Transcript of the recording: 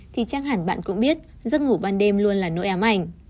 thì chắc hẳn bạn cũng biết giấc ngủ ban đêm luôn là nỗi ám ảnh